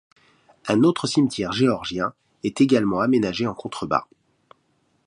Un autre cimetière géorgien est également aménagé en contrebas.